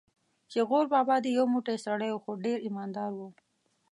چې غور بابا دې یو موټی سړی و، خو ډېر ایمان دار و.